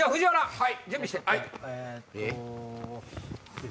はい。